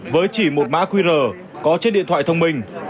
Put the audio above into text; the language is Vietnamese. với chỉ một mã qr có trên điện thoại thông minh